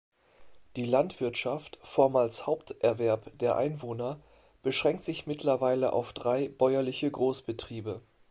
Die Landwirtschaft, vormals Haupterwerb der Einwohner, beschränkt sich mittlerweile auf drei bäuerliche Großbetriebe.